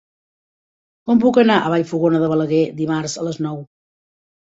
Com puc anar a Vallfogona de Balaguer dimarts a les nou?